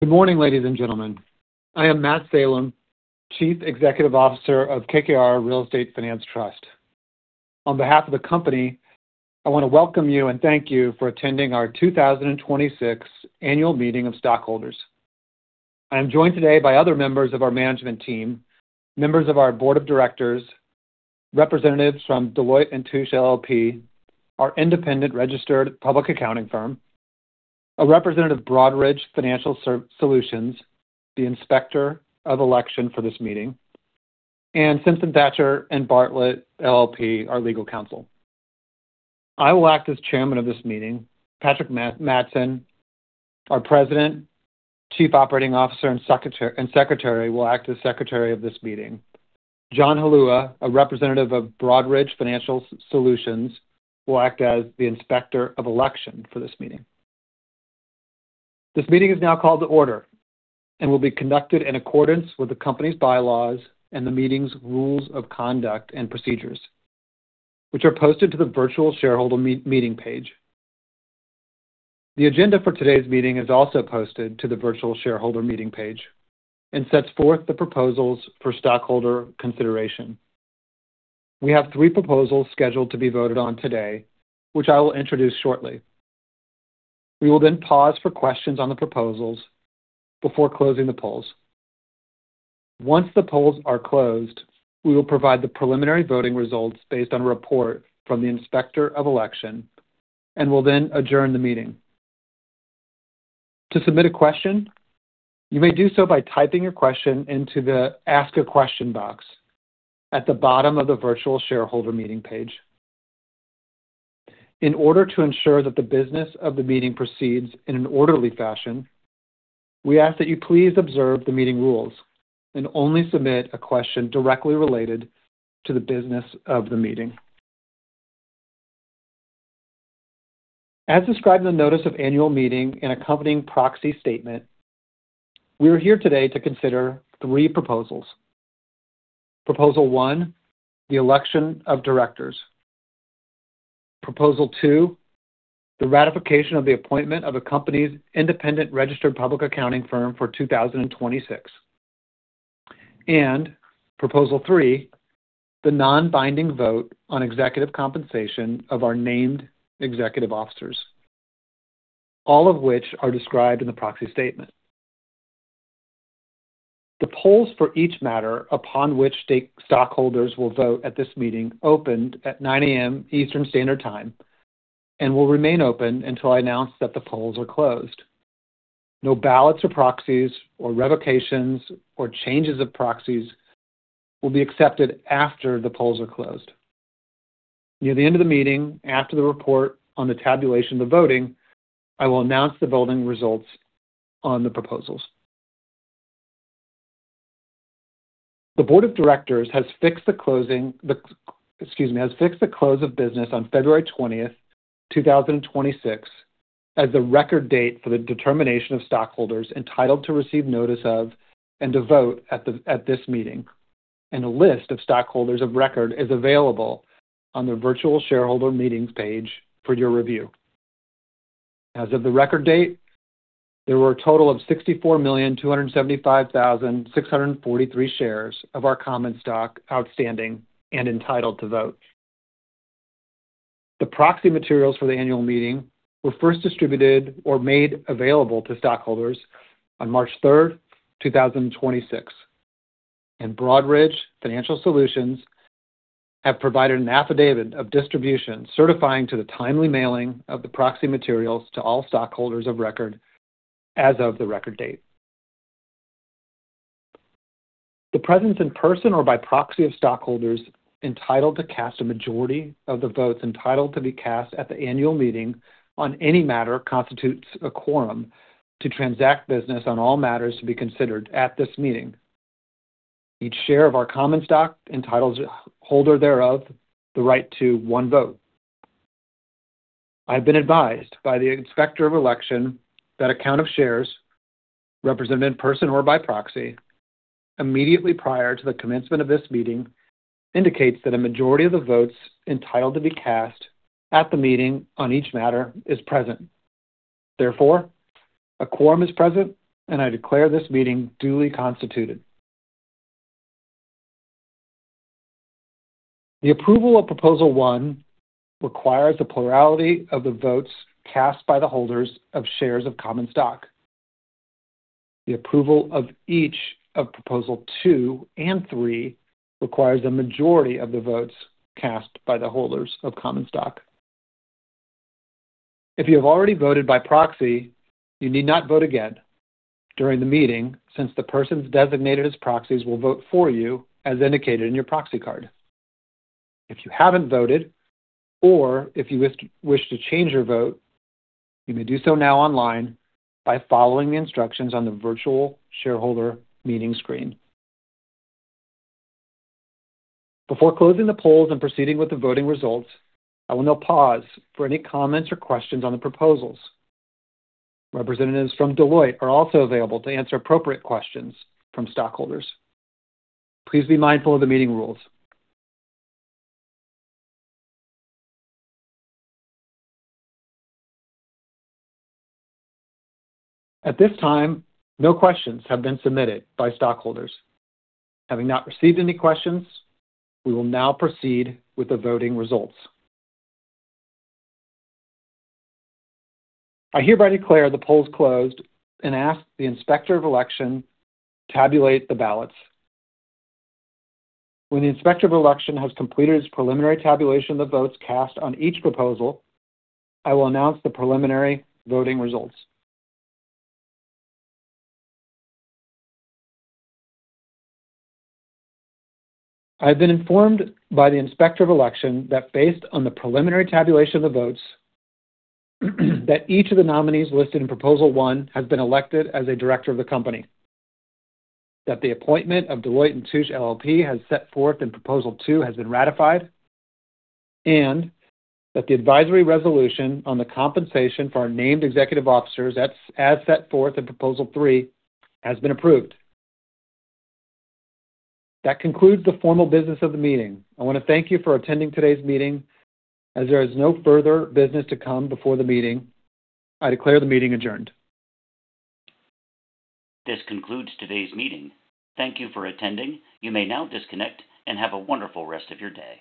Good morning, ladies and gentlemen. I am Matt Salem, Chief Executive Officer of KKR Real Estate Finance Trust. On behalf of the company, I want to welcome you and thank you for attending our 2026 Annual Meeting of Stockholders. I am joined today by other members of our management team, members of our Board of Directors, representatives from Deloitte & Touche LLP, our independent registered public accounting firm, a representative of Broadridge Financial Solutions, the Inspector of Election for this meeting, and Simpson Thacher & Bartlett LLP, our legal counsel. I will act as Chairman of this meeting. Patrick Mattson, our President, Chief Operating Officer, and Secretary, will act as Secretary of this meeting. John Halua, a representative of Broadridge Financial Solutions, will act as the Inspector of Election for this meeting. This meeting is now called to order and will be conducted in accordance with the company's bylaws and the meeting's rules of conduct and procedures, which are posted to the Virtual Shareholder Meeting page. The agenda for today's meeting is also posted to the Virtual Shareholder Meeting page and sets forth the proposals for stockholder consideration. We have three proposals scheduled to be voted on today, which I will introduce shortly. We will then pause for questions on the proposals before closing the polls. Once the polls are closed, we will provide the preliminary voting results based on a report from the Inspector of Election and will then adjourn the meeting. To submit a question, you may do so by typing your question into the Ask a Question box at the bottom of the Virtual Shareholder Meeting page. In order to ensure that the business of the meeting proceeds in an orderly fashion, we ask that you please observe the meeting rules and only submit a question directly related to the business of the meeting. As described in the Notice of Annual Meeting and accompanying Proxy Statement, we are here today to consider three proposals. Proposal One, the election of directors. Proposal Two, the ratification of the appointment of the Company's independent registered public accounting firm for 2026. Proposal Three, the non-binding vote on executive compensation of our Named Executive Officers, all of which are described in the Proxy Statement. The polls for each matter upon which stockholders will vote at this meeting opened at 9:00 A.M. Eastern Standard Time and will remain open until I announce that the polls are closed. No ballots or proxies or revocations or changes of proxies will be accepted after the polls are closed. Near the end of the meeting, after the report on the tabulation of the voting, I will announce the voting results on the proposals. The Board of Directors has fixed the close of business on February 20th, 2026, as the record date for the determination of stockholders entitled to receive notice of and to vote at this meeting, and a list of stockholders of record is available on the Virtual Shareholder Meetings page for your review. As of the record date, there were a total of 64,275,643 shares of our common stock outstanding and entitled to vote. The proxy materials for the annual meeting were first distributed or made available to stockholders on March 3rd, 2026, and Broadridge Financial Solutions have provided an affidavit of distribution certifying to the timely mailing of the proxy materials to all stockholders of record as of the record date. The presence in person or by proxy of stockholders entitled to cast a majority of the votes entitled to be cast at the annual meeting on any matter constitutes a quorum to transact business on all matters to be considered at this meeting. Each share of our common stock entitles a holder thereof the right to one vote. I have been advised by the Inspector of Election that a count of shares, represented in person or by proxy, immediately prior to the commencement of this meeting indicates that a majority of the votes entitled to be cast at the meeting on each matter is present. Therefore, a quorum is present, and I declare this meeting duly constituted. The approval of Proposal One requires a plurality of the votes cast by the holders of shares of common stock. The approval of each of Proposal Two and Three requires a majority of the votes cast by the holders of common stock. If you have already voted by proxy, you need not vote again during the meeting, since the persons designated as proxies will vote for you as indicated in your proxy card. If you haven't voted, or if you wish to change your vote, you may do so now online by following the instructions on the virtual shareholder meeting screen. Before closing the polls and proceeding with the voting results, I will now pause for any comments or questions on the proposals. Representatives from Deloitte are also available to answer appropriate questions from stockholders. Please be mindful of the meeting rules. At this time, no questions have been submitted by stockholders. Having not received any questions, we will now proceed with the voting results. I hereby declare the polls closed and ask the Inspector of Election tabulate the ballots. When the Inspector of Election has completed his preliminary tabulation of the votes cast on each proposal, I will announce the preliminary voting results. I have been informed by the Inspector of Election that based on the preliminary tabulation of the votes, that each of the nominees listed in Proposal One has been elected as a Director of the Company, that the appointment of Deloitte & Touche LLP as set forth in Proposal Two has been ratified, and that the advisory resolution on the compensation for our Named Executive Officers as set forth in Proposal Three has been approved. That concludes the formal business of the meeting. I want to thank you for attending today's meeting. As there is no further business to come before the meeting, I declare the meeting adjourned. This concludes today's meeting. Thank you for attending. You may now disconnect and have a wonderful rest of your day.